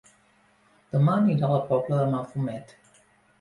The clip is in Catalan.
Dema aniré a La Pobla de Mafumet